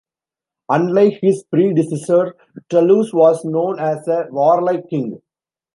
Unlike his predecessor, Tullus was known as a warlike king.